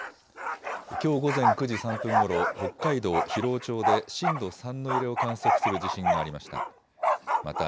きょう午前９時３分ごろ、北海道広尾町で震度３の揺れを観測する地震がありました。